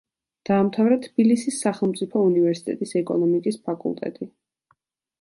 დაამთავრა თბილისის სახელმწიფო უნივერსიტეტის ეკონომიკის ფაკულტეტი.